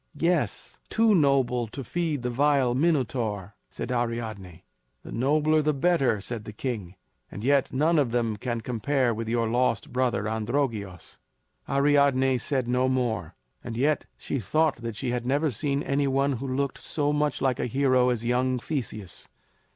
"Yes, too noble to feed the vile Minotaur," said Ariadne. "The nobler, the better," said the king; "and yet none of them can compare with your lost brother Androgeos." Ariadne said no more; and yet she thought that she had never seen any one who looked so much like a hero as young Theseus.